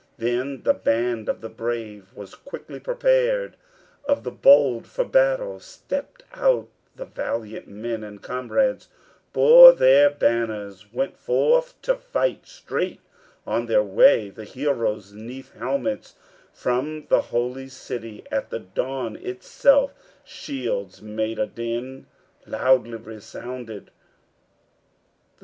] Then the band of the brave was quickly prepared, Of the bold for battle; stepped out the valiant Men and comrades, bore their banners, Went forth to fight straight on their way The heroes 'neath helmets from the holy city At the dawn itself; shields made a din, Loudly resounded.